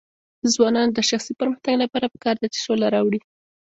د ځوانانو د شخصي پرمختګ لپاره پکار ده چې سوله راوړي.